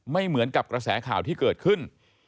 ไม่เหมือนกับกระแสข่าวที่เกิดขึ้น